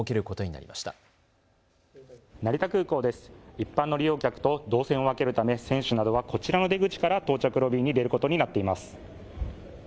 一般の利用客と動線を分けるため選手などはこちらの出口から到着ロビーに出ることになっています。